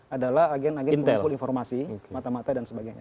adalah agen agen pengumpul informasi mata mata dan sebagainya